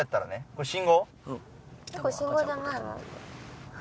これ信号じゃないの？